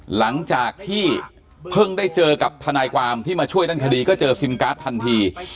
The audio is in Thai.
หลังจากที่เพิ่งได้เจอกับทนายความที่มาช่วยด้านคดีก็เจอซิมการ์ดทันที